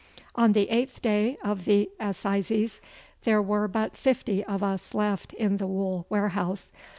On the eighth day of the assizes there were but fifty of us left in the wool warehouse.